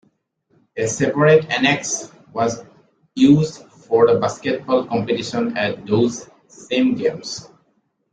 A separate annex was used for the basketball competition at those same games.